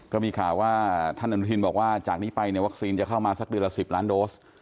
ก็มีข่าวว่าท่านอนุทินบอกว่าจากนี้ไปเนี่ยวัคซีนจะเข้ามาสักเดือนละ๑๐ล้านโดส